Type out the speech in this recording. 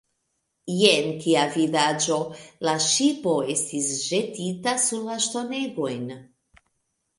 Jen, kia vidaĵo! La ŝipo estis ĵetita sur la ŝtonegojn.